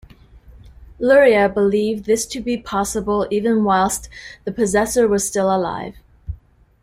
Luria believed this to be possible even whilst the possessor was still alive.